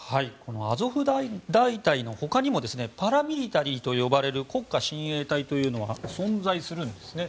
アゾフ大隊の他にもパラミリタリーと呼ばれる国家親衛隊が存在するんですね。